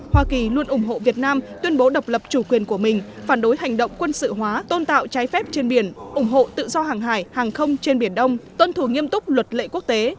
hoa kỳ luôn ủng hộ việt nam tuyên bố độc lập chủ quyền của mình phản đối hành động quân sự hóa tôn tạo trái phép trên biển ủng hộ tự do hàng hải hàng không trên biển đông tuân thủ nghiêm túc luật lệ quốc tế